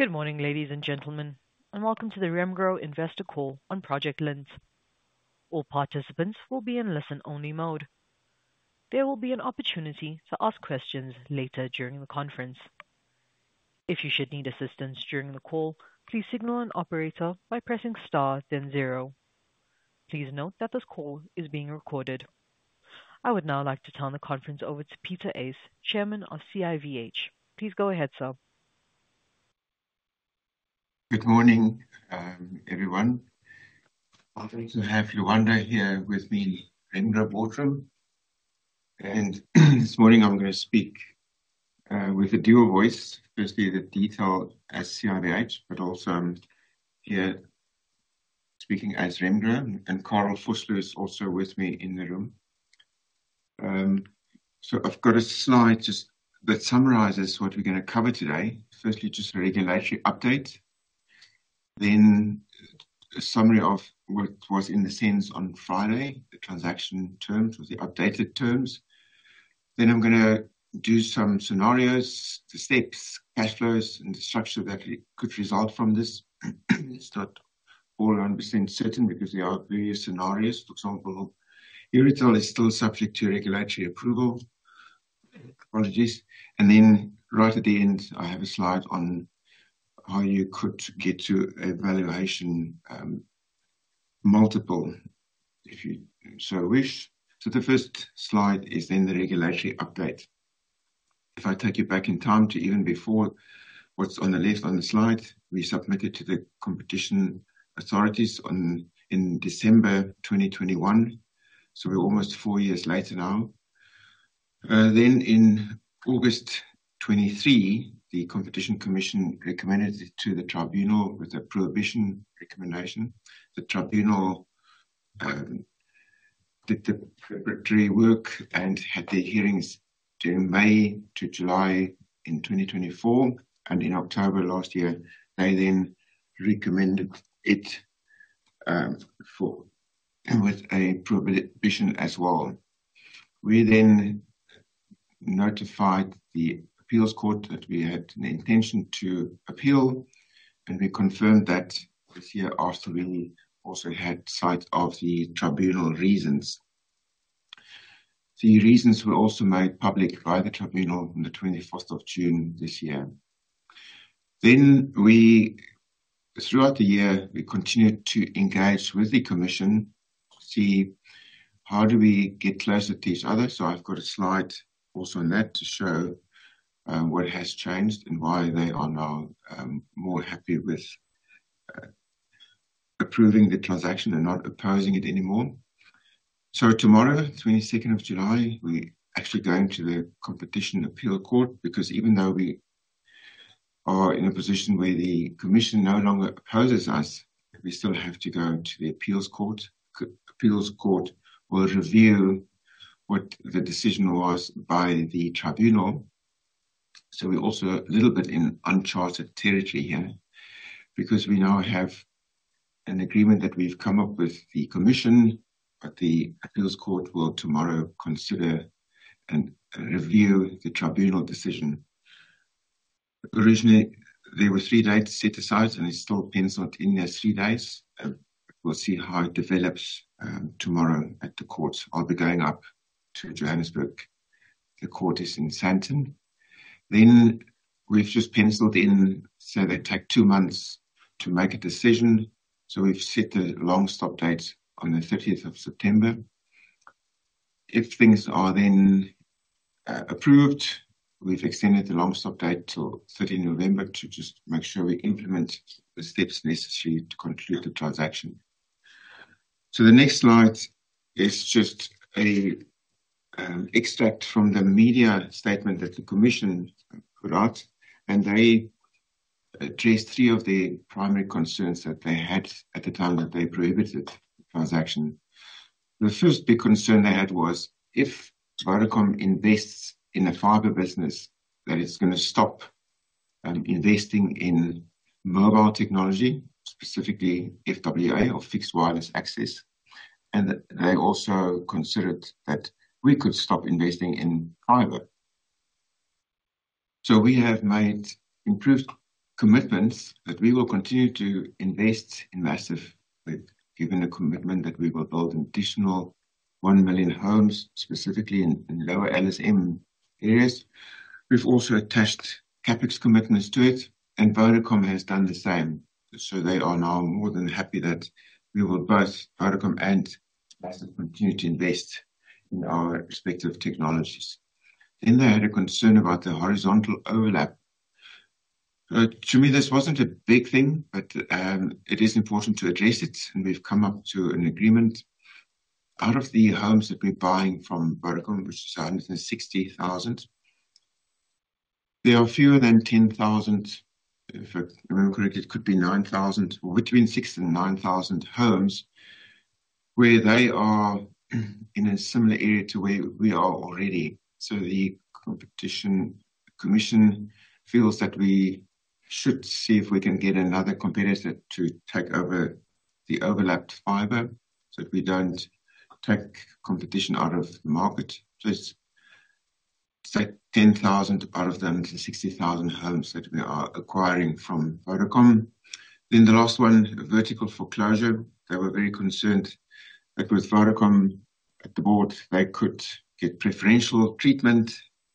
Good morning ladies and gentlemen, and welcome to the Remgro investor call on Project Lint. All participants will be in listen-only mode. There will be an opportunity to ask questions later during the conference. If you should need assistance during the call, please signal an operator by pressing star then zero. Please note that this call is being recorded. I would now like to turn the conference over to Pieter Uys, Chairman of CIVH. Please go ahead, sir. Good morning everyone. To have Lwanda here with me in the Remgro boardroom. This morning I'm going to speak with a dual voice. Firstly the detail as CIVH but also here speaking as Remgro. Carel Vosloo is also with me in the room. I've got a slide just that summarizes what we're going to cover today. Firstly just a regulatory update, then a summary of what was in the SENS on Friday, the transaction terms with the updated terms. I'm going to do some scenarios, the steps, cash flows and the structure that could result from this. It's not all 100% certain because there are various scenarios. For example, Herotel is still subject to regulatory approval, apologies, and then right at the end I have a slide on how you could get to a valuation multiple if you so wish. The first slide is then the regulatory update. If I take you back in time to even before what's on the left on the slide, we submitted to the Competition authorities in December 2021. We're almost four years later now. In August 23 the Competition Commission recommended to the tribunal with a prohibition recommendation. The Tribunal did the preparatory work and had their hearings during May to July in 2024 and in October last year they then recommended it with a prohibition as well. We then notified the Appeals Court that we had an intention to appeal and we confirmed that this year after we also had sight of the tribunal reasons. The reasons were also made public by the tribunal on 21st of June this year. Throughout the year we continue to engage with the Commission, see how do we get closer to each other. I've got a slide also on that to show what has changed and why they are now more happy with approving the transaction and not opposing it anymore. Tomorrow, 22nd of July, we actually going to the Competition Appeal Court because even though we are in a position where the Commission no longer opposes us, we still have to go to the Appeals Court. Appeals Court will review what the decision was by the tribunal. We're also a little bit in uncharted territory here because we now have an agreement that we've come up with the Commission. The Appeals Court will tomorrow consider and review the tribunal decision. Originally there were three dates set aside and it's still penciled in there three days. We'll see how it develops tomorrow at the courts. I'll be going up to Johannesburg. The court is in Sandton. We've just penciled in. They take two months to make a decision. We've set the long stop date on the 30th September. If things are then approved, we've extended the long stop date till 30 November to just make sure we implement the steps necessary to conclude the transaction. The next slide is just an extract from the media statement that the Commission put out. They addressed three of the primary concerns that they had at the time that they prohibited the transaction. The first big concern they had was if Vodacom invests in a fiber business that it's going to stop investing in mobile technology, specifically FWA or fixed wireless access. They also considered that we could stop investing in fiber. We have made improved commitments that we will continue to invest in Maziv with. Given the commitment that we will build an additional 1 million homes, specifically in lower LSM areas. We've also attached CapEx commitments to it and Vodacom has done the same. They are now more than happy that both Vodacom and us will continue to invest in our respective technologies. They had a concern about the horizontal overlap. To me this wasn't a big thing, but it is important to address it. We've come up to an agreement. Out of the homes that we're buying from Vodacom, which is 160,000, there are fewer than 10,000, if I remember correct, it could be 9,000, between 6,000 and 9,000 homes where they are in a similar area to where we are already. The Competition Commission feels that we should see if we can get another competitor to take over the overlapped fiber so we don't take competition out of the market. Take 10,000 out of the 160,000 homes that we are acquiring from Vodacom. The last one, vertical foreclosure, they were very concerned that with Vodacom at the board they could get preferential treatment,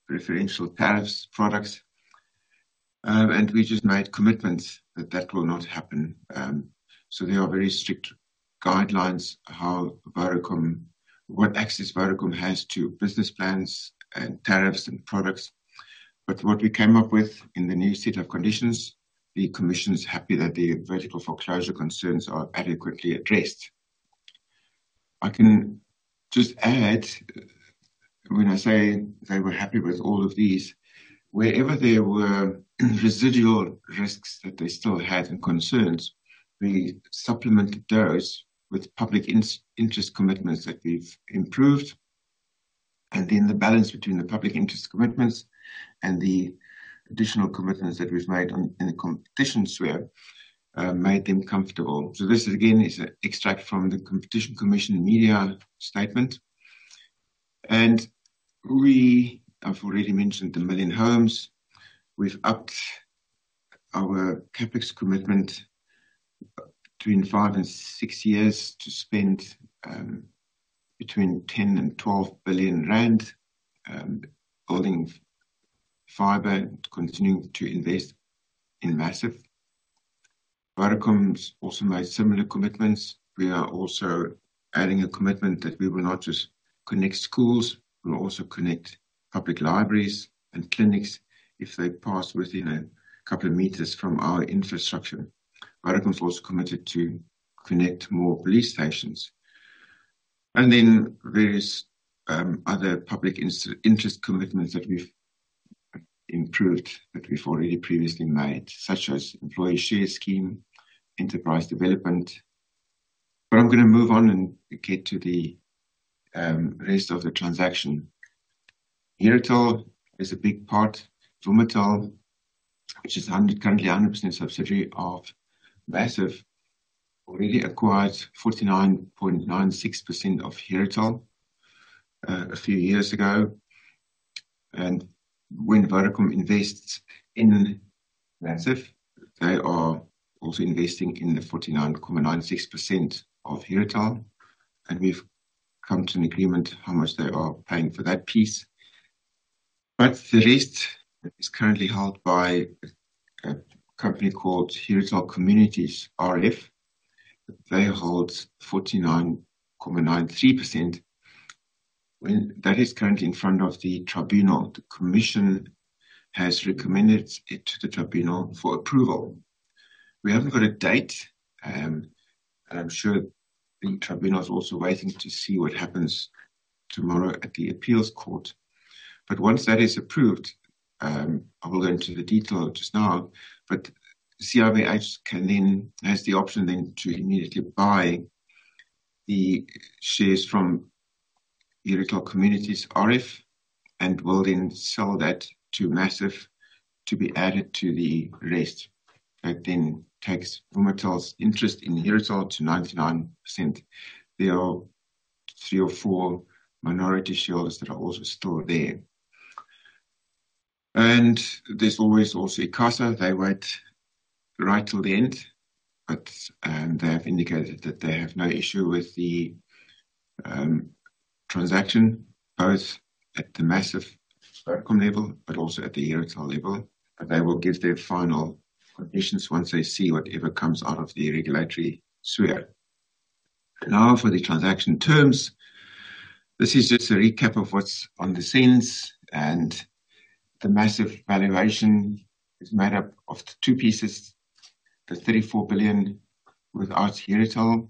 preferential tariffs, products. We just made commitments that that will not happen. There are very strict guidelines how and what access Vodacom has to business plans and tariffs and products. What we came up with in the new set of conditions, the Commission is happy that the vertical foreclosure concerns are adequately addressed. I can just add when I say they were happy with all of these. Wherever there were residual risks that they still had and concerns, we supplemented those with public interest commitments that we've improved. The balance between the public interest commitments and the additional commitments that we've made in the Competition sphere made them comfortable. This again is an extract from the Competition Commission media statement, and we have already mentioned the million homes. We've upped our CapEx commitment between five and six years to spend between 10 billion and 12 billion rand building fiber, continuing to invest in Maziv. Vodacom also made similar commitments. We are also adding a commitment that we will not just connect schools, we will also connect public libraries and clinics if they pass within a couple of meters from our infrastructure. I reconfigured to connect more police stations. There are various other public interest commitments that we've improved, that we've already previously made, such as the employee share scheme and enterprise development program. I'm going to move on and get to the rest of the transaction. Herotel is a big part. Vumatel, which is currently a 100% subsidiary of Maziv, already acquired 49.96% of Herotel a few years ago. When Vodacom invests in Maziv, they are also investing in the 49.96% of Herotel. We've come to an agreement on how much they are paying for that piece, but the rest is currently held by a company called Herotel Communities RF. They hold 49.93% that is currently in front of the Tribunal. The Commission has recommended it to the Tribunal for approval. We haven't got a date, and I'm sure the Tribunal is also waiting to see what happens tomorrow at the Appeals Court. Once that is approved, I will go into the detail just now, but CIVH then has the option to immediately buy the shares from Communities RF and will then sell that to Maziv to be added to the rest. That then takes Vumatel's interest in Herotel to 99%. There are three or four minority shareholders that are also still there, and there is also ICASA. They wait right till the end, but they have indicated that they have no issue with the transaction, both at the Maziv level and at the Herotel level. They will give their final conditions once they see whatever comes out of the regulatory sphere. Now for the transaction terms. This is just a recap of what's on the scenes. The Maziv valuation is made up of two pieces: the 34 billion without Herotel,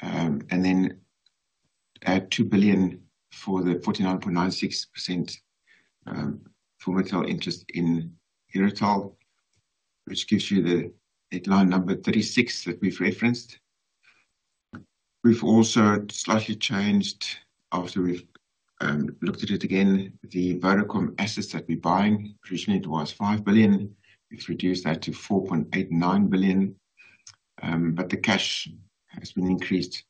and then add 2 billion for the 49.96% Vumatel interest in Herotel, which gives you the headline number three six that we've referenced. We've also slightly changed after we've looked at it again. The Vodacom assets that we're buying recently, it was 5 billion. We've reduced that to 4.89 billion, but the cash has been increased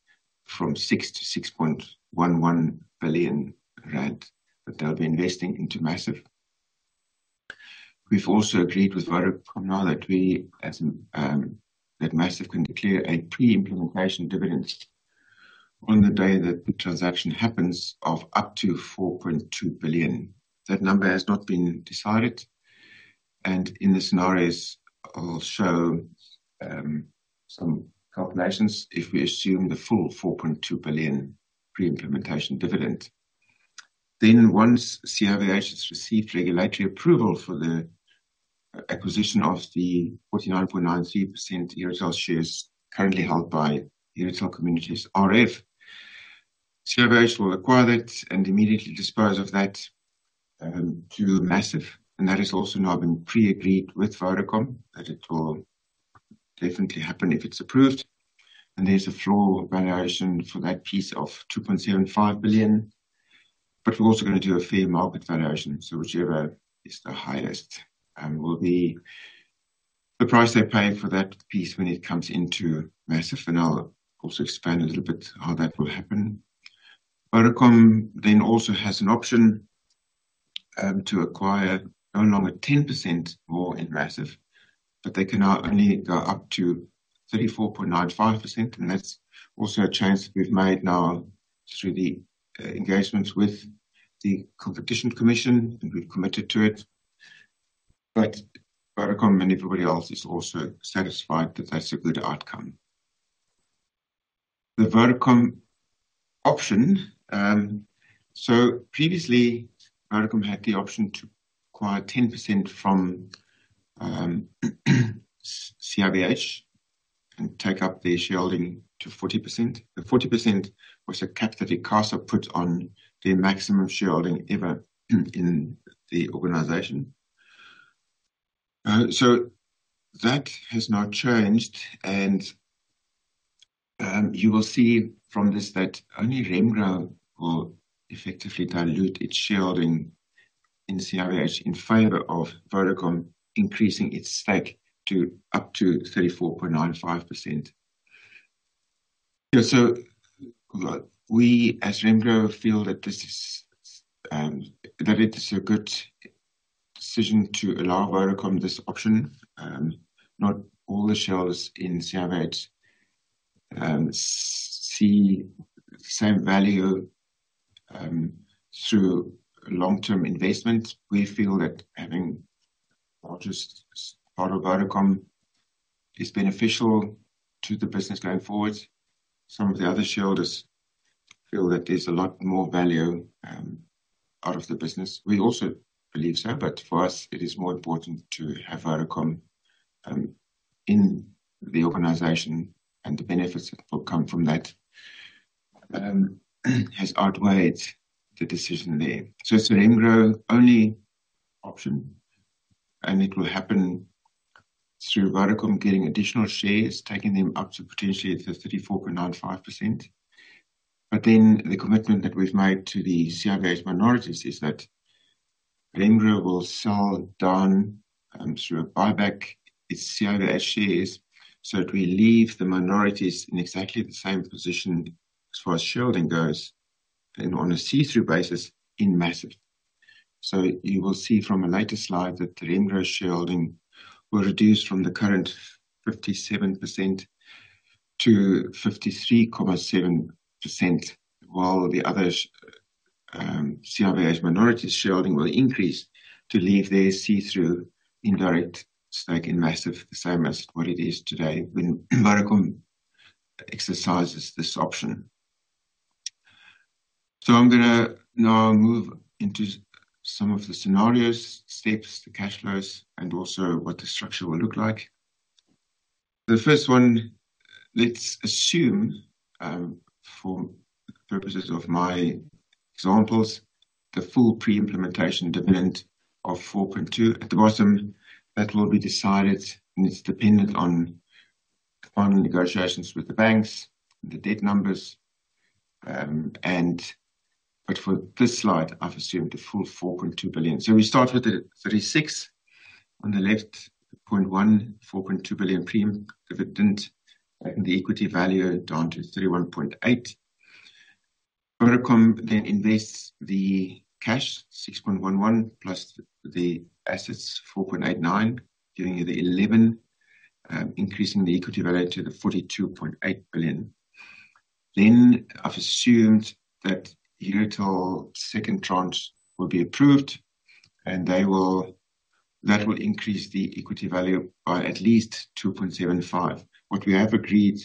from 6 billion to 6.11 billion rand that they'll be investing into Maziv. We've also agreed with Vodacom now that Maziv can declare a pre-implementation dividend on the day that the transaction happens of up to 4.2 billion. That number has not been decided, and in the scenarios I'll show some calculations if we assume the full 4.2 billion pre-implementation dividend. Then once CIVH has received regulatory approval for the acquisition of the 49.93% Herotel shares currently held by Herotel Communities RF, Surveys will acquire that and immediately dispose of that to Maziv. That has also now been pre-agreed with Vodacom that it will definitely happen if it's approved, and there's a floor valuation for that piece of 2.75 billion. We're also going to do a fair market valuation, so whichever is the highest will be the price they pay for that piece when it comes into Maziv. I'll also expand a little bit how that will happen. Vodacom then also has an option to acquire no longer 10% more in Maziv, but they can now only go up to 34.95%. That's also a change that we've made now through the engagements with the Competition Commission, and we've committed to it. Vodacom and everybody else is also satisfied that that's a good outcome. The Vodacom option, so previously Vodacom had the option to acquire 10% from CIVH and take up the shareholding to 40%. The 40% was a cap that ICASA put on the maximum shareholding ever in the organition. That has now changed, and you will see from this that only Remgro will effectively dilute its shareholding in CIVH in favor of Vodacom, increasing its stake to up to 34.95%. We as Remgro feel that this is a good decision to allow Vodacom this option. Not all the shareholders in CIVH see the same value through long-term investment. We feel that having the largest part of Vodacom is beneficial to the business going forward. Some of the other shareholders feel that there's a lot more value out of the business. We also believe so, but for us it is more important to have Vodacom in the organition, and the benefits that will come from that have outweighed the decision there. So Remgro only option, and it will happen through Vodacom getting additional shares, taking them up to potentially 34.95%. The commitment that we've made to the CIVH minorities is that Remgro will sell down through a buyback its CIVH shares. It will leave the minorities in exactly the same position as far as shareholding goes and on a see-through basis in Maziv. You will see from a later slide that the Remgro shareholding will reduce from the current 57%-53.7% while the other CIVH minorities' shareholding will increase to leave their see-through indirect stake in Maziv the same as what it is today when Vodacom exercises this option. I'm going to now move into some of the scenario steps, the cash flows, and also what the structure will look like. The first one, let's assume for purposes of my examples the full pre-implementation dividend of 4.2 billion at the bottom that will be decided, and it's dependent on final negotiations with the banks, the debt numbers, and so on. For this slide, I've assumed a full 4.2 billion. We start with the 36 billion on the left, 4.2 billion pre-implementation dividend, and the equity value down to 31.8 billion. Vodacom then invests the cash 6.11 billion plus the assets 4.89 billion, giving you the 11 billion, increasing the equity value to the 42.8 billion. Then I've assumed that Herotel second tranche will be approved and that will increase the equity value by at least 2.75 billion. What we have agreed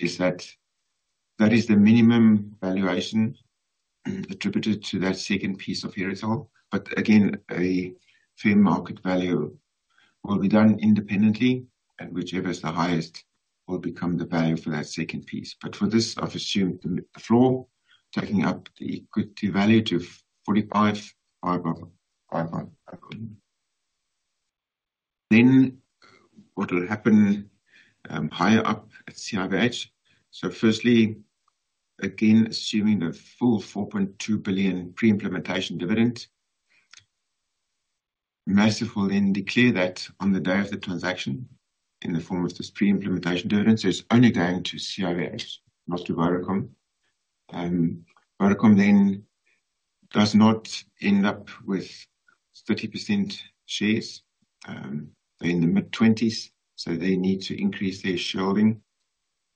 is that that is the minimum valuation attributed to that second piece of Herotel, but again a fair market value will be done independently and whichever is the highest will become the value for that second piece. For this, I've assumed the floor, taking up the equity value to 45 billion. What will happen higher up at CIVH? Firstly, again assuming a full 4.2 billion pre-implementation dividend, Maziv will then declare that on the day of the transaction in the form of this pre-implementation dividend. It's only going to CIVH, not to Vodacom. Vodacom then does not end up with 30% shares. They're in the mid-20s, so they need to increase their shareholding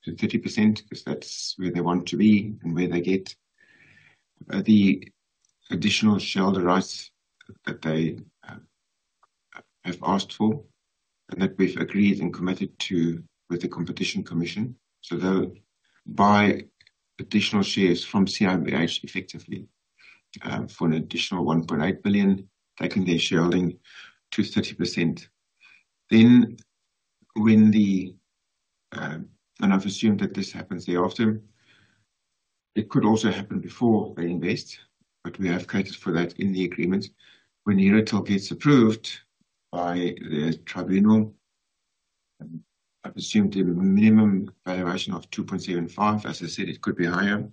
to 30% because that's where they want to be and where they get the additional shareholder rights that they have asked for and that we've agreed and committed to with the Competition Commission. They'll buy additional shares from CIVH effectively for an additional 1.8 billion, taking their shareholding to 30%. I've assumed that this happens thereafter; it could also happen before they invest, but we have catered for that in the agreement. When Herotel gets approved by the Tribunal, I've assumed a minimum valuation of 2.75 billion. As I said, it could be higher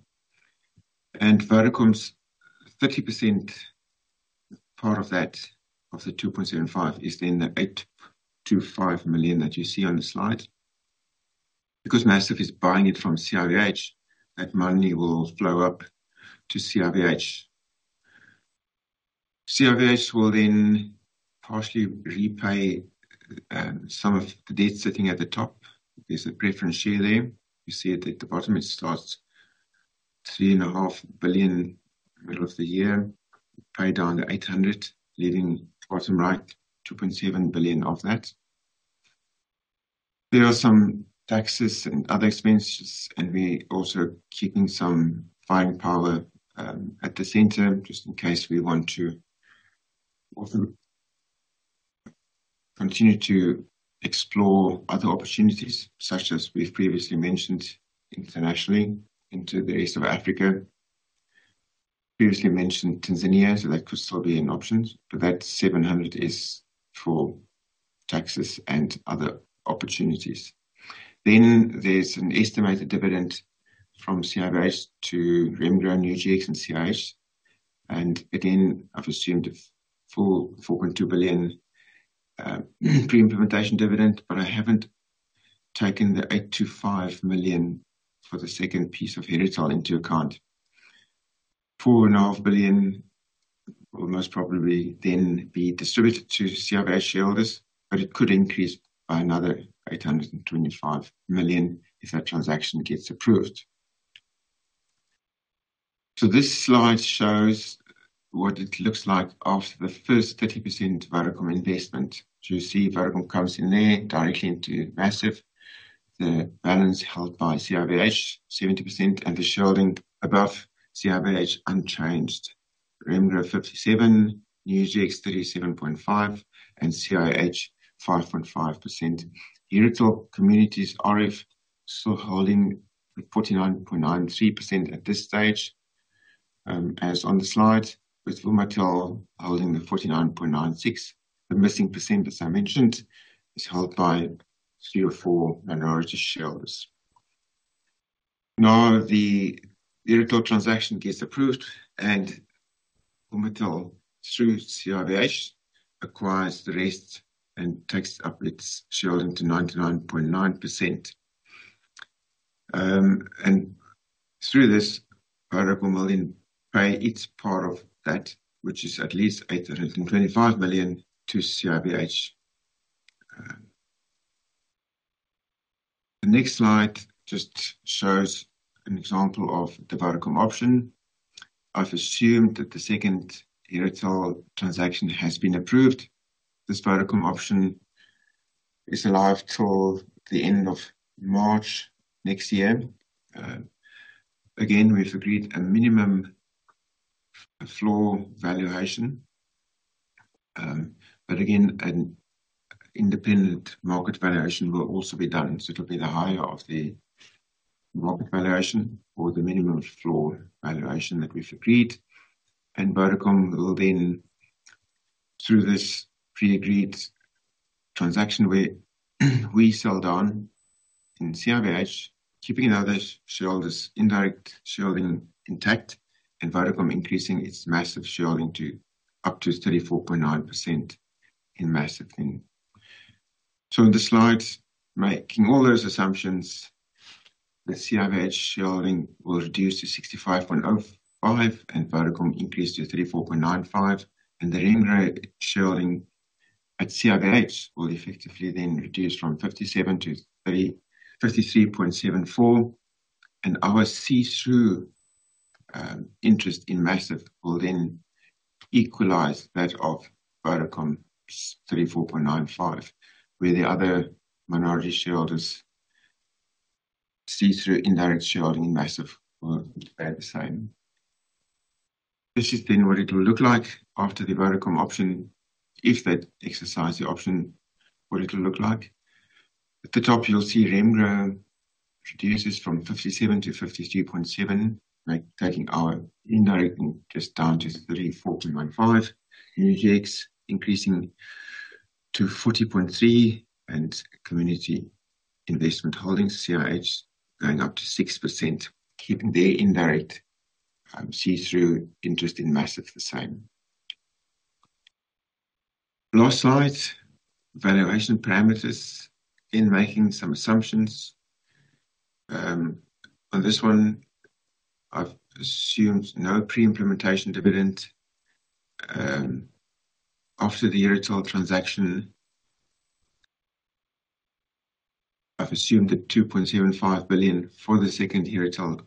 and Vodacom's 30% part of that of the 2.75 billion is then the 825 million that you see on the slide because Maziv is buying it from CIVH. That money will flow up to CIVH. CIVH will then partially repay some of the debt sitting at the top. There's a preference share there, you see it at the bottom. It starts 3.5 billion middle of the year, pay down the 800 million, leaving bottom right 2.7 billion of that. There are some taxes and other expenses and we are also keeping some buying power at the center just in case. We want to continue to explore other opportunities such as we've previously mentioned internationally into the east of Africa, previously mentioned Tanzania. That could still be an option, but that 700 million is for taxes and other opportunities. Then there's an estimated dividend from CIVH to Remgro, Nugex, and CIVH. Again, I've assumed full 4.2 billion pre-implementation dividend. I haven't taken the 825 million for the second piece of Herotel into account. 4.5 billion will most probably then be distributed to CIVH shareholders, but it could increase by another 825 million if that transaction gets approved. This slide shows what it looks like after the first 30% Vodacom investment. You see Vodacom comes in there directly into Maziv. The balance held by CIVH is 70% and the shareholding above CIVH unchanged. Remgro 57%, Nugex 37.5%, and CIVH 5.5%. Herotel Communities RF still holding 49.93% at this stage as on the slide with Wilmar Til holding the 49.96%. The missing percent, as I mentioned, is held by three or four minority shareholders. Now the Herotel transaction gets approved and Herotel through CIVH acquires the rest and takes up its shareholding into 99.9%. Through this Vodacom payment, it's part of that which is at least 825 million to CIVH. The next slide just shows an example of the Vodacom option. I've assumed that the second Herotel transaction has been approved. This Vodacom option is alive till the end of March next year. Again, we've agreed a minimum floor valuation, but again an independent market valuation will also be done. It will be the higher of the market valuation or the minimum floor valuation that we've agreed. Vodacom will then, through this pre-agreed transaction where we sell down in CIVH, keeping other shareholders' indirect shareholding intact and Vodacom increasing its Maziv shareholding to up to 34.9% in Maziv. In this slide, making all those assumptions, the CIVH shareholding will reduce to 65.05% and Vodacom increase to 34.95%, and the Remgro shareholding at CIVH will effectively then reduce from 57%-53.74%. Our see-through interest in Maziv will then equalize that of Vodacom, 34.95%. Where the other minority shareholders' see-through indirect shareholding in Maziv will add the same. This is then what it will look like after the Vodacom option. If they exercise the option, what it will look like at the top, you'll see Remgro reduces from 57%-52.7%, taking our indirect just down to 34.15%, UGX increasing to 40.3%, and Community Investment Holdings, CIVH going up to 6%, keeping their indirect see-through interest in Maziv. The same last slide valuation parameters. In making some assumptions on this one, I've assumed no pre-implementation dividend after the Herotel transaction. I've assumed that 2.75 billion for the second Herotel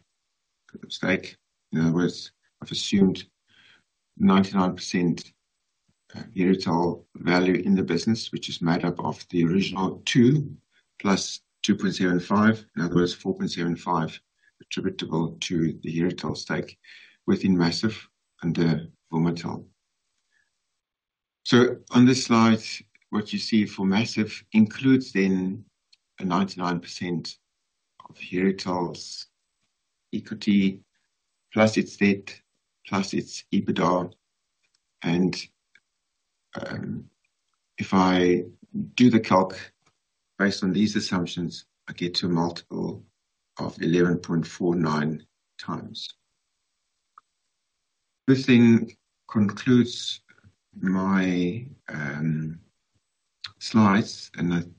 stake. In other words, I've assumed 99% Herotel value in the business, which is made up of the original two plus 2.75. In other words, 4.75 billion attributable to the Herotel stake within Maziv under Vodacom. On this slide, what you see for Maziv includes then a 99% of Herotel equity plus its debt plus its EBITDA. If I do the calc based on these assumptions, I get to a multiple of 11.49x. This concludes my slides and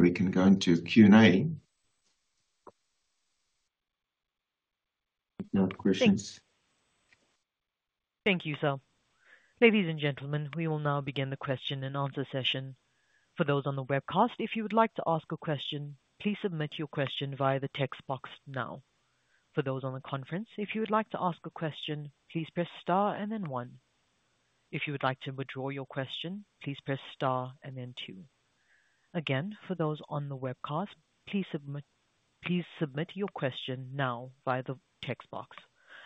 we can go into Q&A. Thank you, sir. Ladies and gentlemen, we will now begin the question and answer session. For those on the webcast, if you would like to ask a question, please submit your question via the text box. For those on the conference, if you would like to ask a question, please press star and then one. If you would like to withdraw your question, please press star and then two. For those on the webcast, please submit your question now via the text box.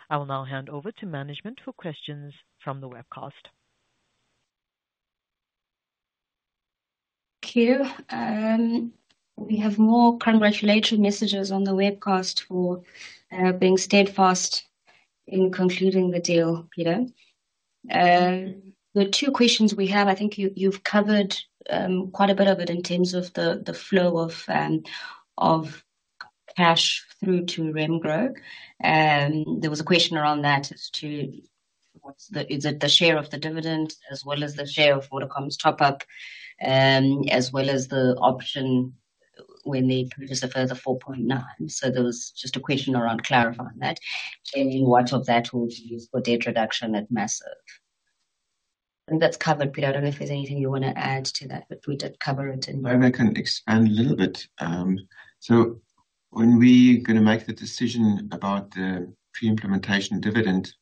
I will now hand over to management for questions from the webcast. Thank you. We have more congratulatory messages on the webcast for being steadfast in concluding the deal. Pieter, the two questions we had, I think you've covered quite a bit of it in terms of the flow of cash through to Remgro. There was a question around that as to what's the, is it the share of the dividend as well as the share of Vodacom's top up as well as the option when they purchase a further 4.9%? There was just a question around clarifying that and what of that will be used for debt reduction at Maziv and that's covered. Pieter, I don't know if there's anything you want to add to that, but we did cover it. Maybe I can expand a little bit. When we are going to make the decision about the pre-implementation dividend,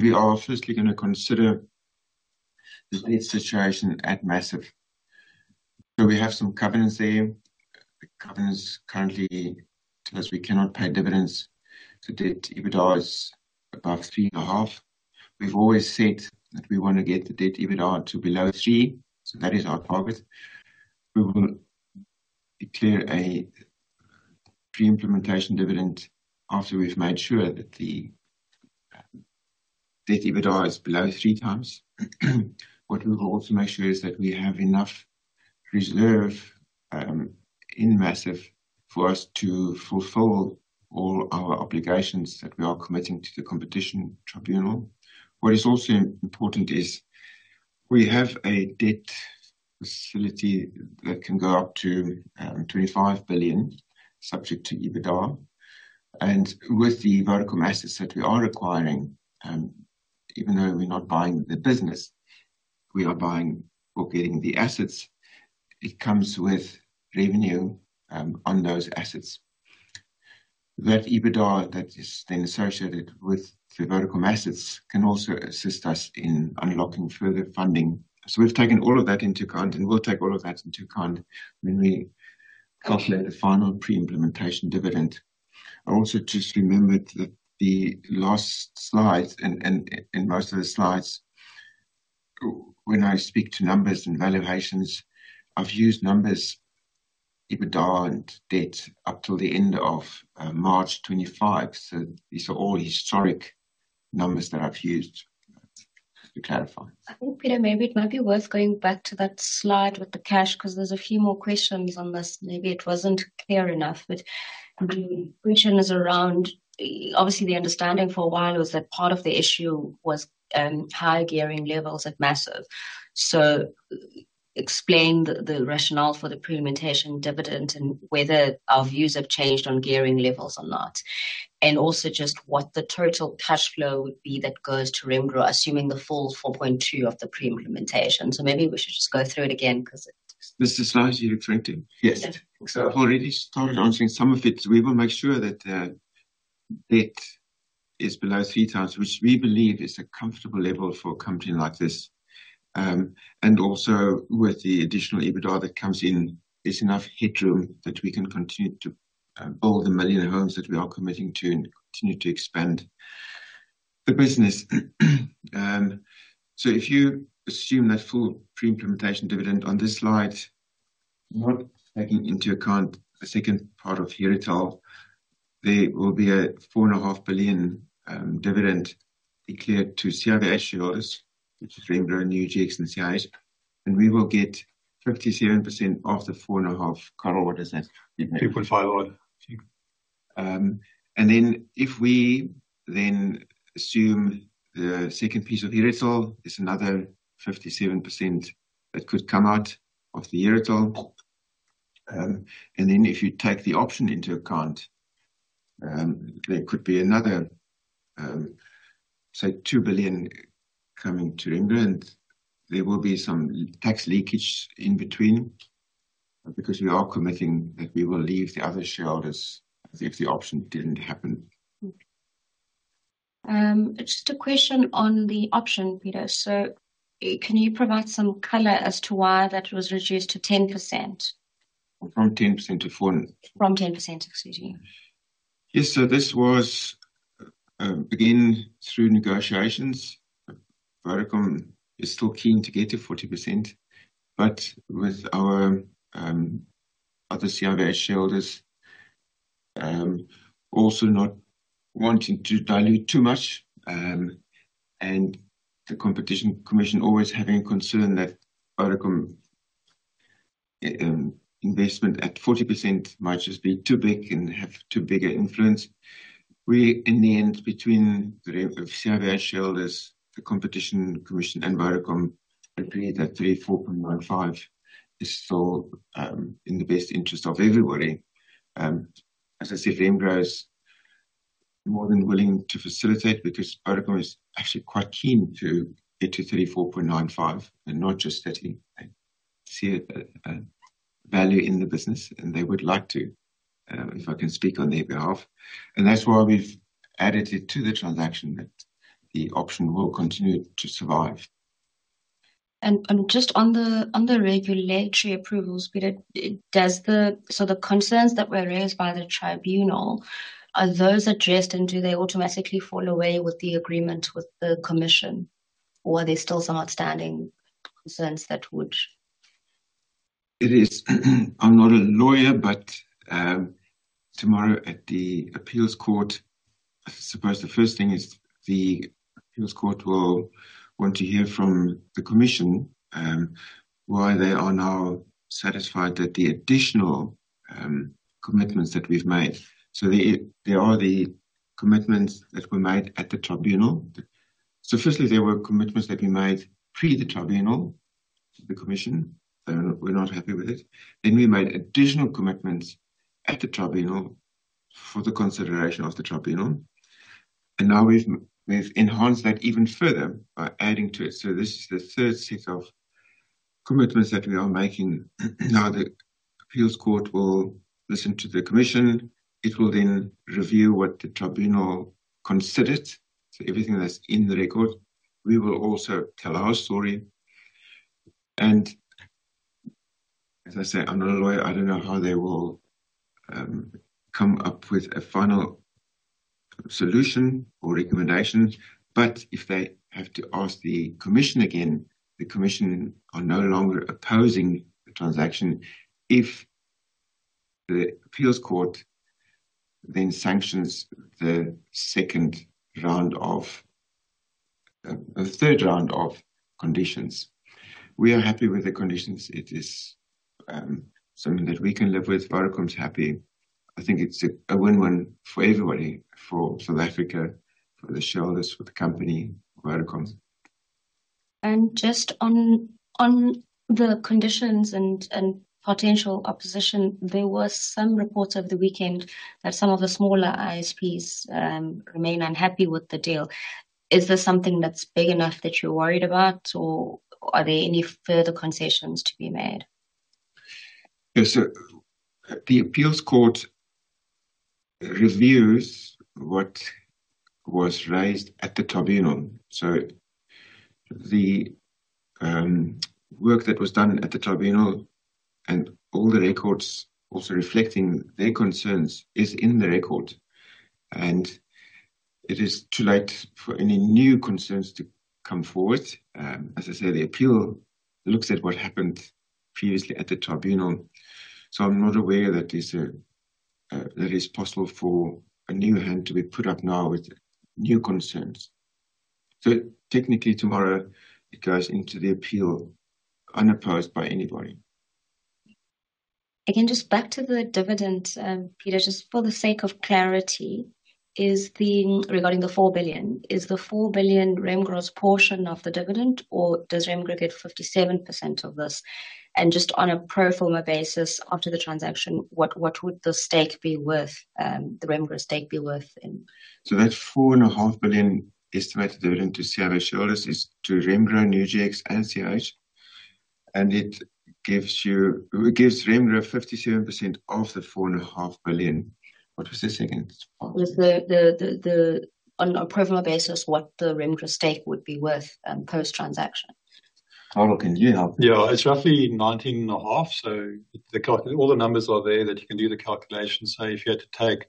we are firstly going to consider the debt situation at Maziv. We have some covenants there. The covenants currently tell us we cannot pay dividends. Debt/EBITDA is above 3.5. We've always said that we want to get the debt/EBITDA to below three. That is our target. We will declare a pre-implementation dividend after we've made sure that the debt/EBITDA is below three times. We will also make sure that we have enough reserve in Maziv for us to fulfill all our obligations that we are committing to the Competition Tribunal. What is also important is we have a debt facility that can go up to 25 billion subject to EBITDA. With the Vodacom assets that we are acquiring, even though we're not buying the business, we are buying or getting the assets. It comes with revenue on those assets. That EBITDA that is then associated with the vertical masses can also assist us in unlocking further funding. We have taken all of that into account and we'll take all of that into account when we calculate the final pre-implementation dividend. I also just remembered that the last slides and in most of the slides when I speak to numbers and valuations, I've used numbers, EBITDA, and debt up till the end of March 2025. These are all historic numbers that I've used to clarify. I think Pieter, maybe it might be worth going back to that slide with the cash, because there's a few more questions on this. Maybe it wasn't clear enough, but the question is around. Obviously the understanding for a while was that part of the issue was higher gearing levels at Maziv. Explain the rationale for the pre-implementation dividend and whether our views have changed on gearing levels or not. Also, just what the total cash flow would be that goes to Remgro, assuming the full 4.2 billion of the pre-implementation. Maybe we should just go through. It again because it. This Slide, you're referring to. Yes, so I've already started answering some of it. We will make sure that debt is below 3x, which we believe is a comfortable level for a company like this. Also, with the additional EBITDA that comes in, there's enough headroom that we can continue to build a million homes that we are committing to and continue to expand the business. If you assume that full pre-implementation dividend on this slide, not taking into account the second part of here, there will be a 4.5 billion dividend declared to CIVH shareholders, which is rembrandt, UGX, and CIVH, and we will get 57% of the 4.5 billion. What is that? If we then assume the second piece of Herotel is another 57% that could come out of the Herotel. If you take the option into account, there could be another, say, 2 billion coming to England. There will be some tax leakage in between because we are committing that we will leave the other shareholders if the option didn't happen. Just a question on the option, Pieter, can you provide some color as to why that was reduced to 10%? From 10%-4%. From 10%. Excuse me. Yes. This was again through negotiations. Vodacom is still keen to get to 40% but with our other CIVH shareholders also not wanting to dilute too much and the Competition Commission always having a concern that Vodacom investment at 40% might just be too big and have too big an influence. In the end, between the CIVH shareholders, the Competition Commission, and Vodacom, we agreed that 34.95% is still in the best interest of everybody. As I said, Remgro is more than willing to facilitate because Vodacom is actually quite keen to get to 34.95% and not just that, they see value in the business and they would like to, if I can speak on their behalf. That's why we've added it to the transaction that the option will continue. To survive. And just on the regulatory approvals, the concerns that were raised by the tribunal, are those addressed and do they automatically fall away with the agreement with the commission, or are there still some outstanding concerns that would. It is. I'm not a lawyer, but tomorrow at the Appeals Court, I suppose the first thing is the Appeals Court will want to hear from the Commission why they are now satisfied that the additional commitments that we've made. There are the commitments that were made at the Tribunal. Firstly, there were commitments that we made pre the Tribunal, the Commission were not happy with it. Then we made additional commitments at the Tribunal for the consideration of the Tribunal. Now we've enhanced that even further by adding to it. This is the third set of commitments that we are making now. The Appeals Court will listen to the Commission. It will then review what the Tribunal considered. Everything that's in the record, we will also tell our story. As I say, I'm not a lawyer. I don't know how they will come up with a final solution or recommendations. If they have to ask the Commission again, the Commission are no longer opposing the transaction. If the Appeals Court then sanctions the second round or third round of conditions, we are happy with the conditions. It is something that we can live with. Vodacom is happy. I think it's a win-win for everybody, for South Africa, for the shareholders, for the company, Vodacom. Just on the conditions and potential opposition, there were some reports over the weekend that some of the smaller ISPs remain unhappy with the deal. Is this something that's big enough that you're worried about, or are there any further concessions to be made? The Appeals Court reviews what was raised at the Tribunal. The work that was done at the Tribunal and all the records also reflecting their concerns is in the record. It is too late for any new concerns to come forward. The appeal looks at what happened previously at the Tribunal. I'm not aware that it's possible for a new hand to be put up now with new concerns. Technically, tomorrow it goes into the appeal unopposed by anybody. Again, just back to the dividend. Pieter, just for the sake of clarity regarding the 4 billion, is the 4 billion Remgro's portion of the dividend or does Remgro get 57% of this? Just on a pro forma basis after the transaction, what would the Remgro stake be worth. So that. 4.5 billion estimated dividend to CIVH shareholders is to Remgro, UGX, and CIVH, and it gives you. It gives Remgro 57% of the 4.5 billion. What was the second. On a profile basis, what the Remgro stake would be worth post transaction. Carel can you help? Yeah, it's roughly 19.5. All the numbers are there that you can do the calculation. If you had to take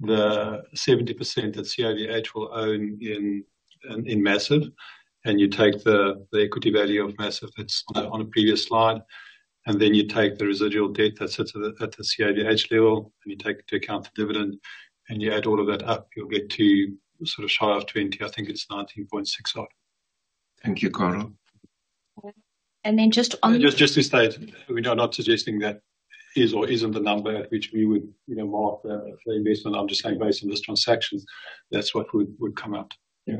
the 70% that CIVH will own in Maziv and you take the equity value of Maziv that's on a previous slide, then you take the residual debt that sits at the CIVH level and you take into account the dividend and you add all of that up, you'll get to sort of shy of 20. I think it's 19.6 odd. Thank you, Carel. Just to. State, we know, not suggesting that is or isn't the number at which we would, you know, mark the investment. I'm just saying based on this transaction, that's what would. Would come out. Yeah.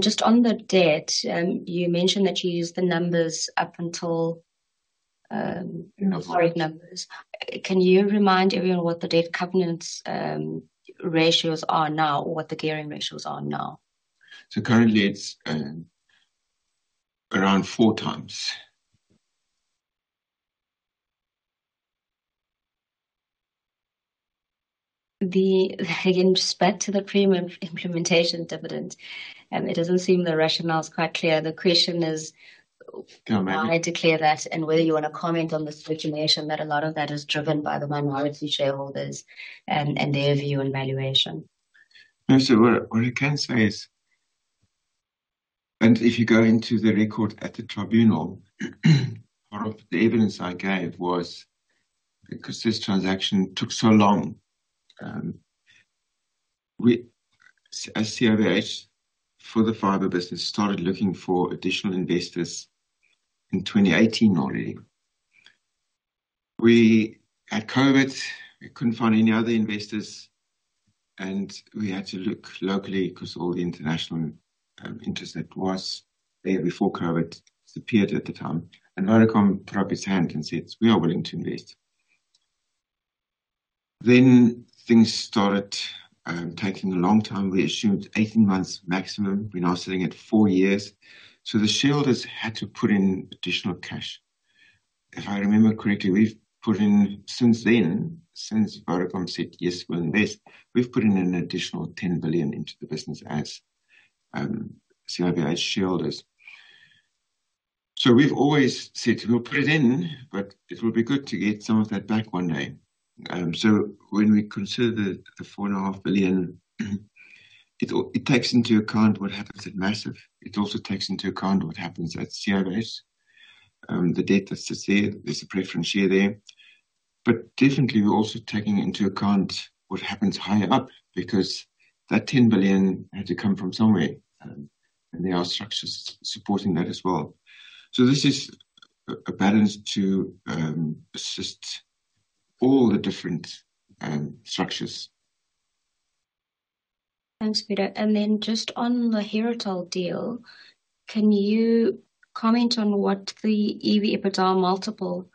Just on the debt, you mentioned that you use the numbers up until foreign numbers. Can you remind everyone what the debt covenants ratios are now? What the gearing ratios are now? Currently, it's around four times. With respect to the pre-implementation dividend, it doesn't seem the rationale is quite clear. The question is why declare that and whether you want to comment on this regulation, that a lot of that is driven by the minority shareholders and their view and valuation. What I can say is, and if you go into the record at the Tribunal, part of the evidence I gave was because this transaction took so long, we as CIVH for the fiber business started looking for additional investors in 2018. Already we had COVID, we couldn't find any other investors and we had to look locally because all the international interest that was there before COVID disappeared at the time and Vodacom put up its hand and said, we are willing to invest. Things started taking a long time. We assumed 18 months maximum. We're now sitting at four years. The shareholders had to put in additional cash. If I remember correctly, we've put in since then, since Vodacom said, yes, we'll invest, we've put in an additional 10 billion into the business as CIVH shareholders. We've always said we'll put it in, but it will be good to get some of that back one day. When we consider the 4.5 billion, it takes into account what happens at Maziv, it also takes into account what happens at CIVH, the debt that sits there, there's a preference share there, but definitely we're also taking into account what happens high up because that 10 billion had to come from somewhere and there are structures supporting that as well. This is a balance to assist all the different structures. Thanks, Pieter. Just on the Herotel deal, can you comment on what the EV/EBITDA multiple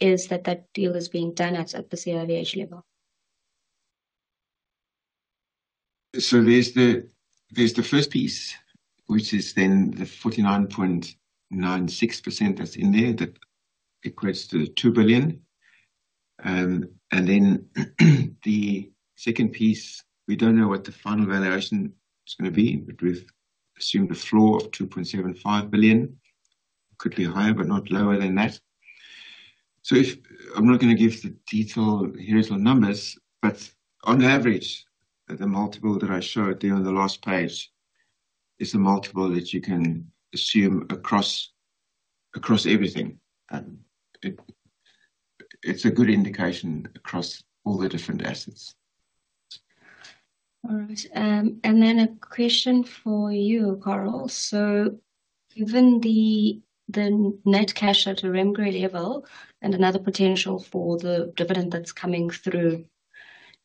is that that deal is being done at, at the CIVH level. There's the first piece, which is the 49.96% that's in there, that equates to 2 billion. The second piece, we don't know what the final valuation is going to be, but we've assumed a floor of 2.75 billion, quickly higher, but not lower than that. I'm not going to give the detail here as the numbers, but on average the multiple that I showed there on the last page is a multiple that you can assume across everything. It's a good indication across the different assets. All right, and then a question for you, Carel. Given the net cash at a Remgro level and another potential for the dividend that's coming through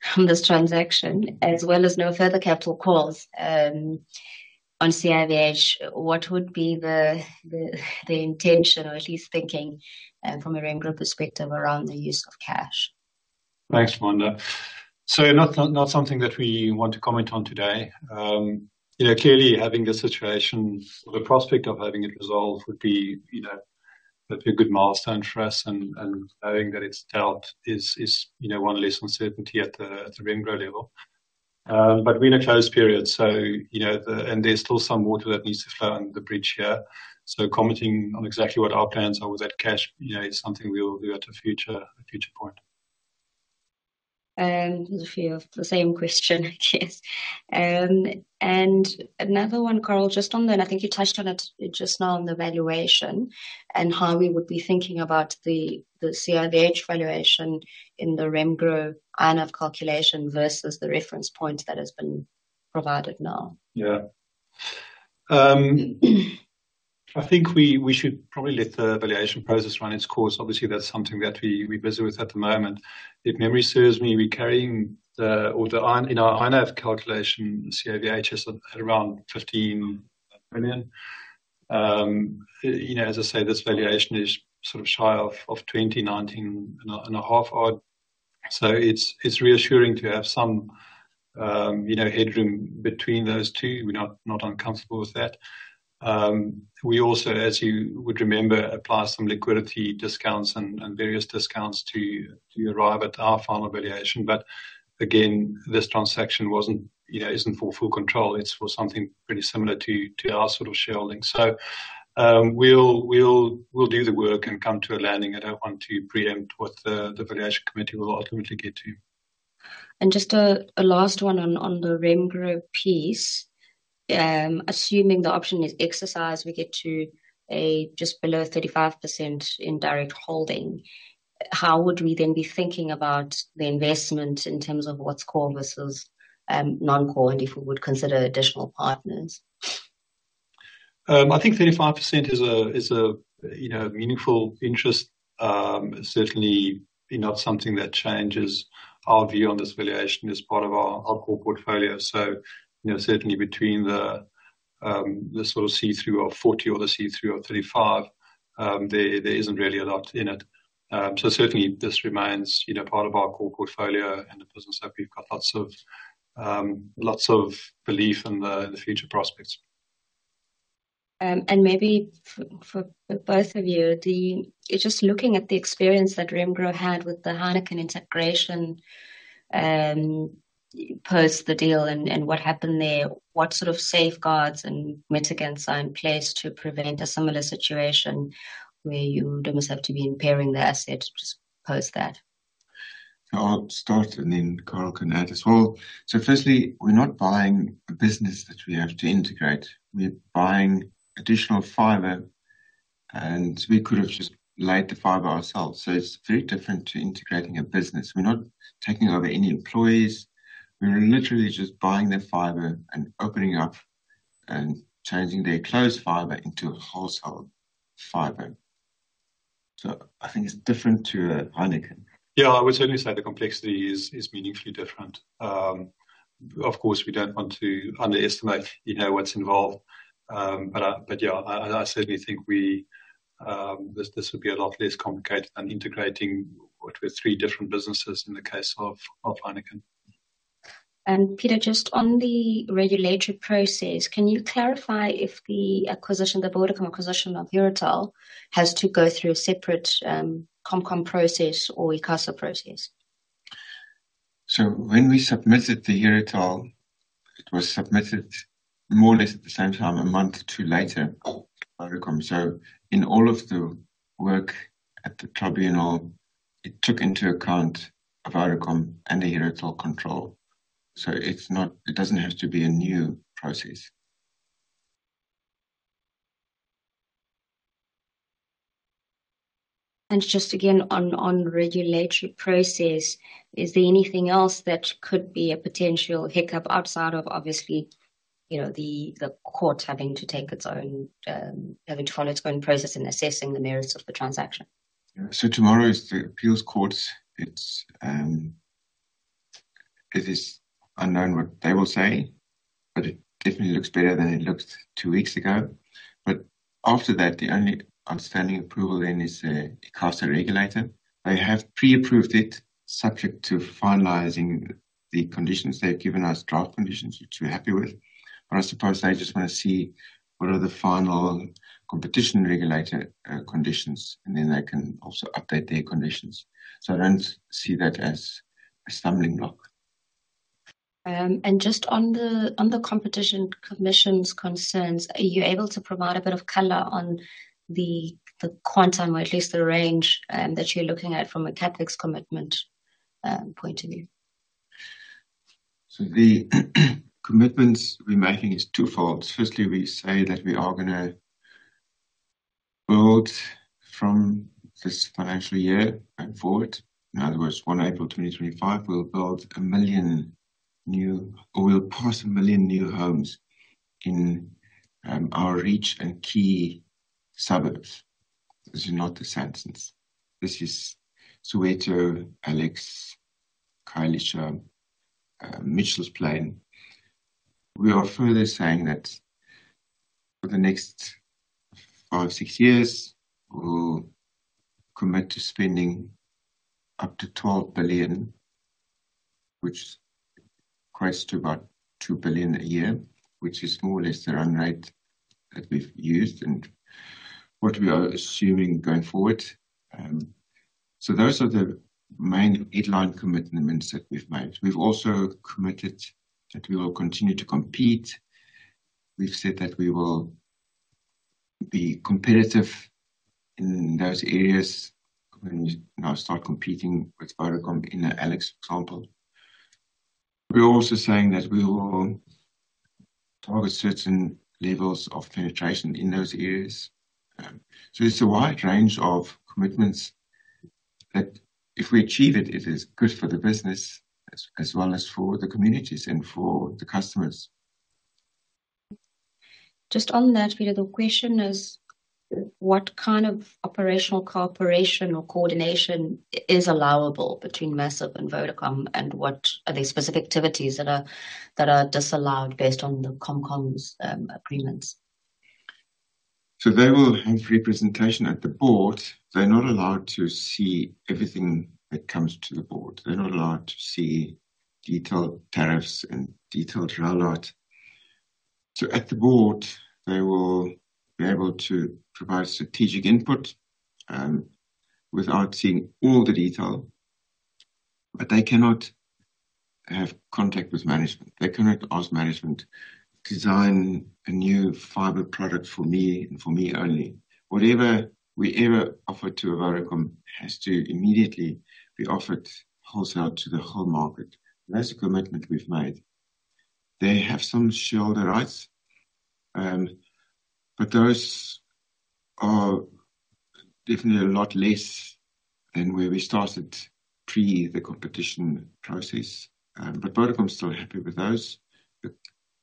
from this transaction, as well as no further capital calls on CIVH, what would be the intention, or at least thinking from a Remgro perspective around the use of cash? Thanks, Lwanda. Not something that we want to comment on today. Clearly, having the situation, the prospect of having it resolved would be a good milestone for us. Knowing that its doubt is one less uncertainty at the Remgro level. We're in a closed period, and there's still some water that needs to flow under the bridge here. Commenting on exactly what our plans are with that cash is something we will do in the future. Future board. The same question, I guess, and another one, Carel, just on the. I think you touched on it just now on the valuation and how we would be thinking about the CIVH valuation in the Remgro iNAV calculation versus the reference point that has been provided now. Yeah. I think we should probably let the valuation process run its course. Obviously that's something that we're busy with at the moment. If memory serves me, we're carrying the order in our iNAV calculation. CIVH is at around 15 million. You know, as I say, this valuation is sort of shy of 20 million, ZAR 19.5 million odd. It's reassuring to have some headroom between those two, we're not uncomfortable with that. We also, as you would remember, apply some liquidity discounts and various discounts to arrive at our final valuation. Again, this transaction isn't for full control. It's for something pretty similar to our sort of shareholding. So. We'll do the work and come to a landing. I don't want to preempt what the valuation committee will ultimately get to. Just a last one on the Remgro piece, assuming the option is exercised, we get to a just below 35% indirect holding. How would we then be thinking about the investment in terms of what's core versus non-core, and if we would consider additional partners? I think 35% is a meaningful interest. Certainly not something that changes our view on this valuation as part of our portfolio. You know, certainly between the sort of see through of 40 or the see through of 35, there isn't really a lot in it. This remains, you know, part of our core portfolio and the business that we've got lots of, lots of belief in the future prospects. And maybe. For both of you, just looking at the experience that Remgro had with the Heineken integration, post the deal and what happened there, what sort of safeguards and mitigants are in place to prevent a similar situation where you don't have to be impairing the asset. Just post that. I'll start and then Carel can add as well. Firstly, we're not buying a business that we have to integrate. We're buying additional fiber and we could have just laid the fiber ourselves. It's very different to integrating a business. We're not taking over any employees, we're literally just buying the fiber and opening up and changing their closed fiber into a wholesale fiber. I think it's different to a Heineken. Yeah, I would certainly say the complexity is meaningfully different. Of course, we don't want to underestimate what's involved, but yeah, I certainly think this would be a lot less complicated than integrating with three different businesses. In the case of Heineken. And Pieter. Just on the regulatory process, can you clarify if the acquisition, the Vodacom acquisition of Herotel, has to go through a separate Com-Comm process or ICASA process. When we submitted the Herotel, it was submitted more or less at the same time, a month or two later. In all of the work at the tribunal, it took into account Vodacom and the Herotel control. It doesn't have to be a new process. Just again on regulatory process, is there anything else that could be a potential hiccup outside of, obviously, you know, the court having to take its own, having to follow its own process in assessing the merits of the transaction? Tomorrow is the Appeals Court. It is unknown what they will say, but it definitely looks better than it looked two weeks ago. After that, the only outstanding approval is ICASA, the regulator. They have pre-approved it subject to finalizing the conditions. They've given us draft conditions, which we're happy with. I suppose they just want to see what are the final Competition regulator conditions, and then they can also update their conditions. I don't see that as a stumbling block. On the Competition Commission's concerns, are you able to provide a bit of color on the quantum or at least the range that you're looking at from a CapEx commitment point of view? The commitments we're making are twofold. Firstly, we say that we are going to build from this financial year going forward. In other words, from April 2025, we'll build a million new, or we'll pass a million new homes in our reach and key suburbs. This is not the sentence, this is Soweto, Alex, Khayelitsha, Mitchells Plain. We are further saying that for the next five, six years, we'll commit to spending up to 12 billion, which is close to about 2 billion a year, which is more or less the run rate that we've used and what we are assuming going forward. Those are the main headline commitments that we've made. We've also committed that we will continue to compete. We've said that we will be competitive in those areas. When you start competing with Vodacom, in the Alex example, we're also saying that we will target certain levels of penetration in those areas. It's a wide range of commitments that, if we achieve it, it is good for the business as well as for the communities and for the customers. Just on that, Pieter, the question is what kind of operational cooperation or coordination is allowable between Maziv and Vodacom, and what are the specific activities that are disallowed based on the Com-Comms agreements. They will have representation at the board. They're not allowed to see everything that comes to the board. They're not allowed to see detailed tariffs and detailed railroad. At the board they will be able to provide strategic input without seeing all the detail. They cannot have contact with management, they cannot ask management design a new fiber product for me and for me only. Whatever we ever offer to a Vodacom has to immediately the offer holds out to the whole market. That's the commitment we've made. They have some shareholder rights, but those are definitely a lot less than where we started pre the Competition process. Vodacom's still happy with those. The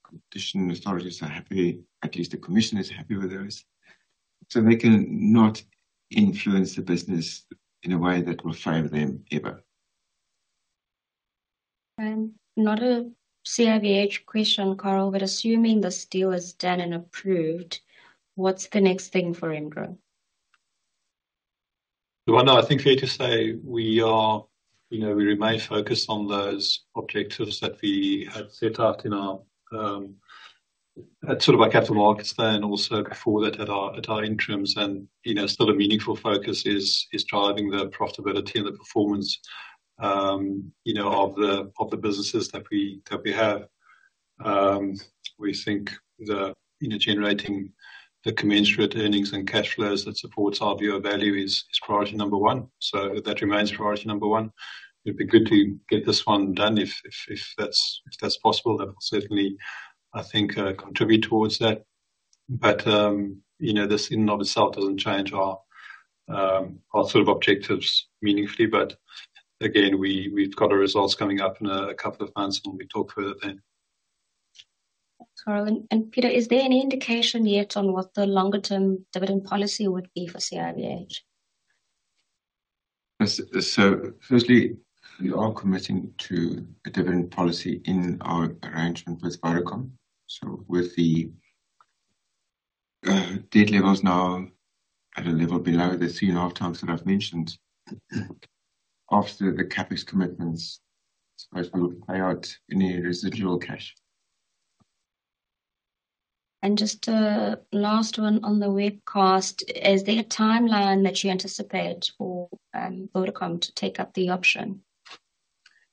Competition authorities are happy. At least the commission is happy with those. They can not influence the business in a way that will favor them ever. Not a CIVH question, Carel, but assuming this deal is done and approved, what's the next thing for Remgro? Lwanda, I think fair to say we are, you know, we remain focused on those objectives that we had set out in our, at sort of our capital markets, then also before that at our, at our interims, and you know, still a meaningful focus is driving the profitability and the performance, you know, of the, of the businesses that we, that we have. We think the generating the commensurate earnings and cash flows that supports our viewer value is priority number one. That remains priority number one. It'd be good to get this one done, if that's possible. That will certainly, I think, contribute towards that. You know, this in and of itself doesn't change our sort of objectives meaningfully. Again, we've got our results coming up in a couple of months and we talk further then. Pieter, is there any indication yet on what the longer term dividend policy would be for CIVH? We are committing to a dividend policy in our arrangement with Vodacom. With the debt levels now at a level below the 3.5x that I've mentioned after the CapEx commitments, we will pay out any residual cash. Just a last one on the webcast. Is there a timeline that you anticipate for Vodacom to take up the option?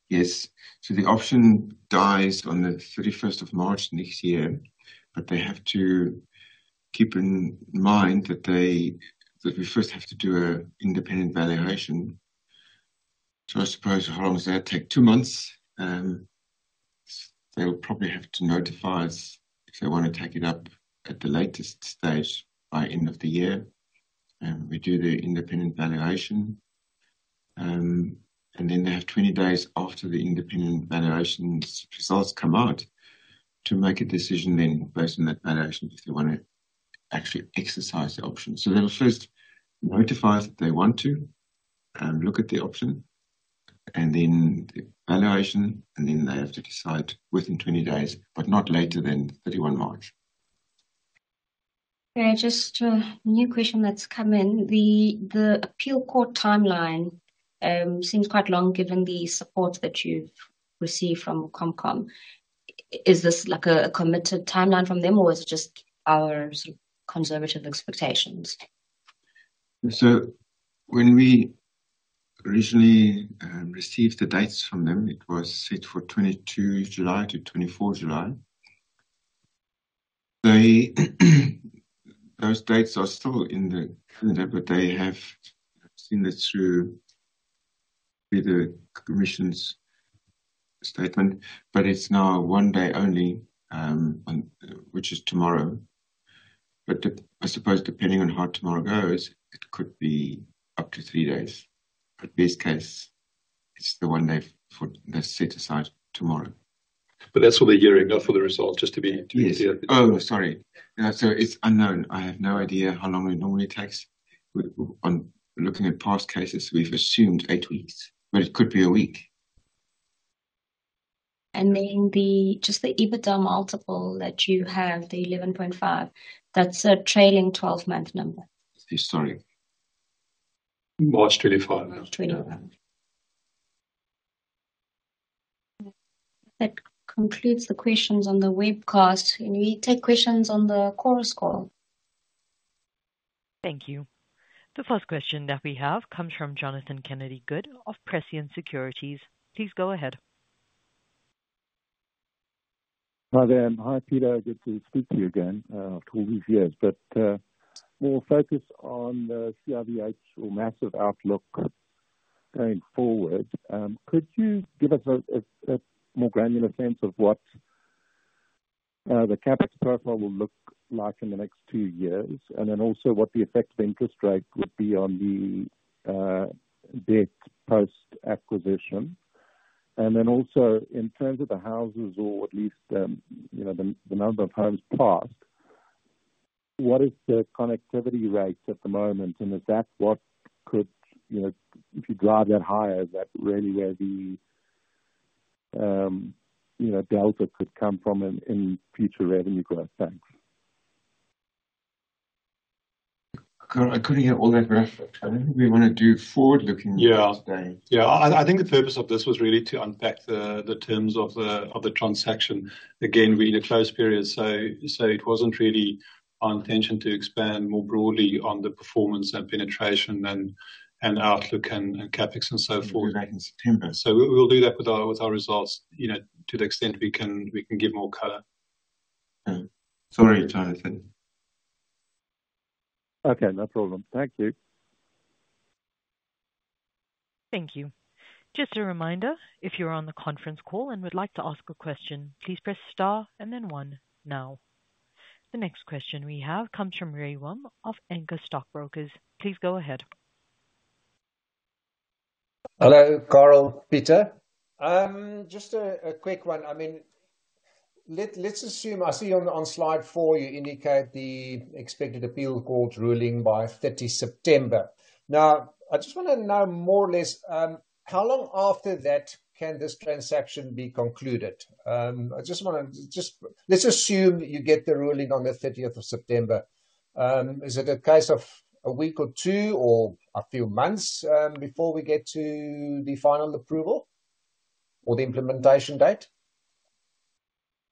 Yes. The option dies on the 31st March next year. They have to keep in mind that we first have to do an independent valuation. I suppose, how long does that take? Two months. They will probably have to notify us if they want to take it up at the latest stage by end of the year. We do the independent valuation, and then they have 20 days after the independent valuation results come out to make a decision based on that valuation if they want to actually exercise the option. They'll first notify that they want to look at the option, then the valuation, and then they have to decide within 20 days but not later than 31 March. Just a new question that's come in the appeal. Your court timeline seems quite long given the support that you've received from the Com-Comm. Is this like a committed timeline from them, or is it just our conservative expectations? When we originally received the dates from them, it was set for 22 July to July 24. Those dates are still in the calendar, and they have seen this through the commission's statement. It's now one day only, which is tomorrow. I suppose depending on how tomorrow goes, it could be up to three days. Best case, it's the one day for the set aside tomorrow. That's what they're hearing, not for the results. Just to be clear. Sorry. Yeah, it's unknown. I have no idea how long it normally takes on looking at past cases. We've assumed eight weeks, but it could be a week. The EBITDA multiple that you have, the 11.5, that's a trailing twelve month number. Sorry. March 25. That concludes the questions on the webcast, and we take questions on the Chorus Call. Thank you. The first question that we have comes from Jonathan Kennedy-Good of Prescient Securities. Please go ahead. Hi there. Hi Pieter. Good to speak to you again after all these years. We'll focus on the CIVH or Maziv outlook going forward. Could you give us a more granular sense of what the CapEx profile will look like in the next two years and then also what the effect of. Interest rate would be on the debt. Post acquisition and then also in terms of the houses or at least the number of homes passed, what is the connectivity rates at the moment, and if that's what could, if you drive that higher, that really where the. You know, delta could come from in future revenue growth. Thanks. I couldn't get all that graphic. I don't think we want to do forward looking. Yeah, yeah. I think the purpose of this was really to unpack the terms of the transaction. Again, we are in a closed period. It wasn't really our intention to expand more broadly on the performance and penetration and outlook and CapEx and so forth. We'll do that with our results, you know, to the extent we can give more color. Sorry Jonathan. Okay, no problem. Thank you. Thank you. Just a reminder, if you're on the conference call and would like to ask a question, please press star and then one. Now the next question we have comes from Rey Wium of Anchor Stockbrokers. Please go ahead. Hello Carel, Pieter, just a quick one. I mean let's assume, I see on slide four you indicate the expected Appeal Court ruling by 30 September. Now I just want to know more or less how long after that can this transaction be concluded? I just want to, let's assume you get the ruling on the 30th September. Is it a case of a week or two or a few months before we get to the final approval or the implementation date?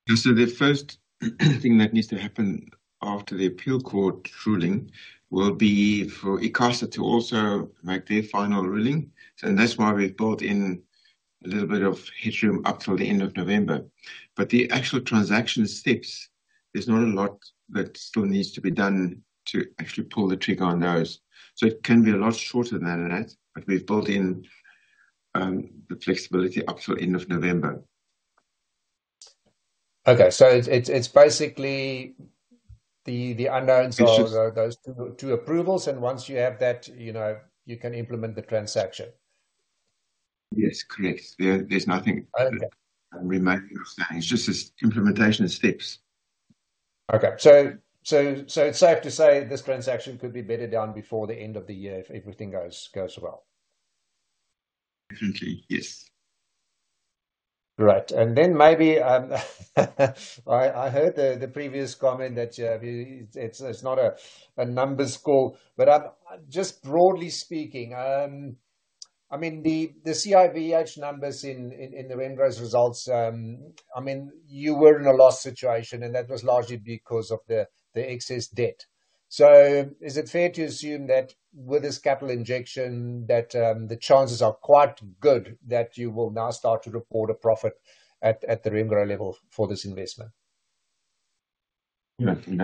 The first thing that needs to happen after the appeal court ruling will be for ICASA to also make their final ruling. That's why we've built in a little bit of headroom up till the end of November. The actual transaction steps, there's not a lot that still needs to be done to actually pull the trigger on those. It can be a lot shorter than that, but we've built in the flexibility up till end of November. Okay, so it's basically the unknown, those two approvals, and once you have that, you know you can implement the transaction. Yes, correct. There's nothing remaining, it's just implementation steps. Okay, so it's safe to say this transaction could be better done before the end of the year if everything goes well. Definitely. Yes. Right. Maybe I heard the previous comment that it's not a numbers call, but just broadly speaking, I mean the CIVH numbers in the Remgro results, I mean you were in a loss situation and that was largely because of the excess debt. Is it fair to assume that with this capital injection the chances are quite good that you will now start to report a profit at the Remgro level for this investment? Yeah, I think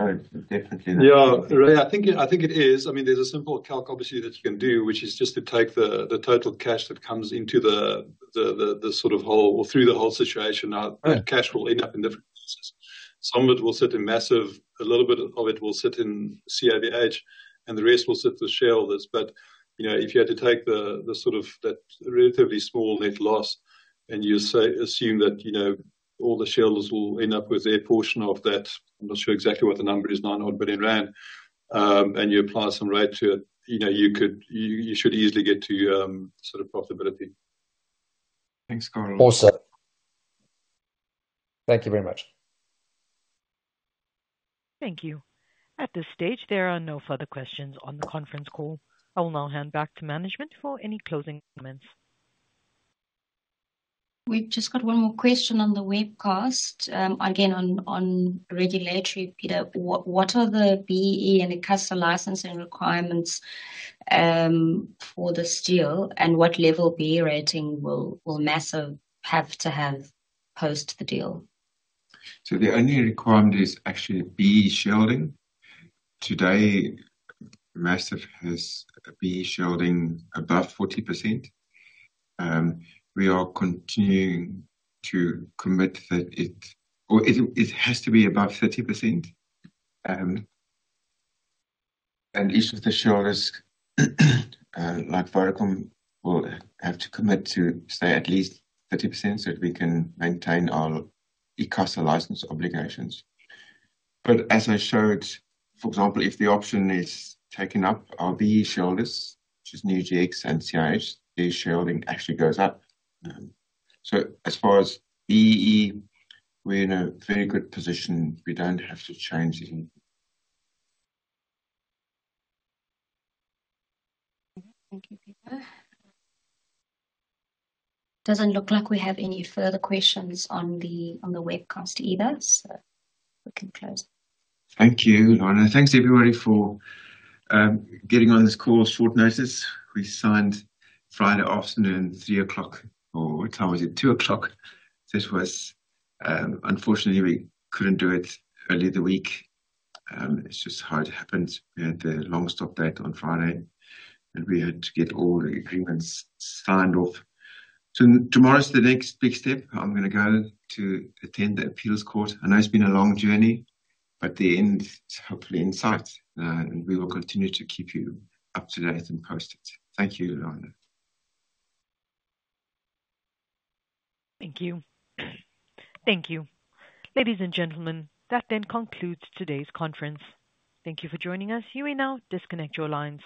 it is. I mean there's a simple calc obviously that you can do, which is just to take the total cash that comes into the whole situation. Now that cash will end up in different places. Some of it will sit in Maziv, a little bit of it will sit in CIVH, and the rest will sit with the shareholders. You know, if you had to take that relatively small net loss and you assume that all the shareholders will end up with their portion of that, I'm not sure exactly what the number is. r9 billion odd, and you apply some rate to it, you could, you should easily get to profitability. Thanks Carel. Thank you very much. Thank you. At this stage, there are no further questions on the conference call. I will now hand back to management for any closing comments. We've just got one more question on the webcast again on regulatory. Pieter, what are the BEE and ICASA licensing requirements for the deal, and what level BEE rating will Maziv have to have post the deal? The only requirement is actually BEE shielding. Today Maziv has BEE shielding above 40%. We are continuing to commit that it has to be above 30%, and each of the shareholders, like Vodacom, will have to commit to stay at least 30% so that we can maintain our ICASA license obligations. As I showed, for example, if the option is taken up, our BEE shareholders, which is UGX and CIVH, the shielding actually goes up. As far as BEE, we're in a very good position. We don't have to change anything. It doesn't look like we have any further questions on the webcast either, so we can close. Thank you, Lwanda. Thanks, everybody, for getting on this call on short notice. We signed Friday afternoon, 3:00 P.M., or what time was it? 2:00 P.M. This was. Unfortunately, we couldn't do it earlier the week. It's just how it happened. We had the long stop date on Friday, and we had to get all the agreements signed off. Tomorrow's the next big step. I'm going to attend the Appeals Court. I know it's been a long journey, but the end is hopefully in sight, and we will continue to keep you up to date and posted. Thank you, Lwanda. Thank you. Thank you, ladies and gentlemen. That then concludes today's conference. Thank you for joining us. You may now disconnect your lines.